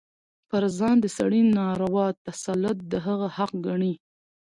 پر ځان د سړي ناروا تسلط د هغه حق ګڼي.